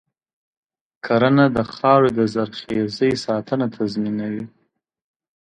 کرنه د خاورې د زرخیزۍ ساتنه تضمینوي.